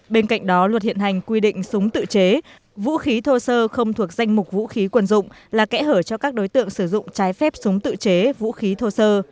bên cạnh đó luật hiện hành quy định súng tự chế vũ khí thô sơ không thuộc danh mục vũ khí quần dụng là kẽ hở cho các đối tượng sử dụng trái phép súng tự chế vũ khí thô sơ